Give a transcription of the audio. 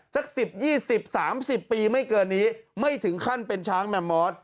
สัก๑๐๒๐๓๐ปีไม่เกินนี้ไม่ถึงขั้นเป็นช้างแมมมอส